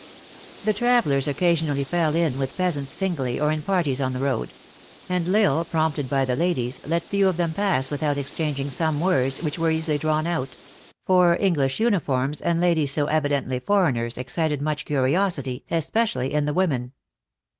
The travelers occasionally fell in with peasants singly, or in parties on the road ; and L Isle, prompted by the ladies, let few of them pass without exchang ing some words, which were easily drawn out ; for English uniforms, and ladies so evidently foreigners, excited much curiosity, especially in the women.